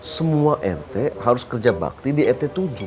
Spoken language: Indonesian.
semua rt harus kerja bakti di rt tujuh